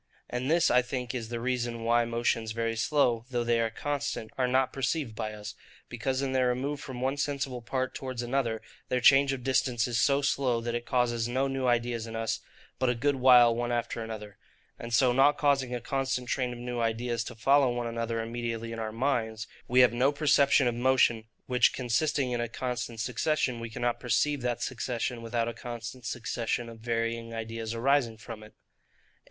And this, I think, is the reason why motions very slow, though they are constant, are not perceived by us; because in their remove from one sensible part towards another, their change of distance is so slow, that it causes no new ideas in us, but a good while one after another. And so not causing a constant train of new ideas to follow one another immediately in our minds, we have no perception of motion; which consisting in a constant succession, we cannot perceive that succession without a constant succession of varying ideas arising from it. 8.